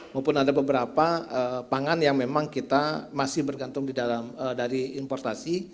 maupun ada beberapa pangan yang memang kita masih bergantung dari importasi